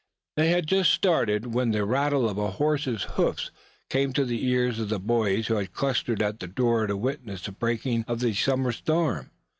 This had just started into life when the rattle of a horse's hoofs came to the ears of the boys who had clustered at the door to witness the breaking of the summer storm.